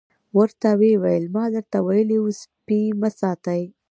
ورته ویې ویل ما درته ویلي وو سپي مه ساتئ.